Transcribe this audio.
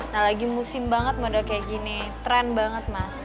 nah lagi musim banget model kayak gini tren banget mas